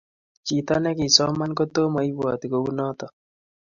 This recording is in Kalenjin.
Chito negisoman kotamaibwoti kunoto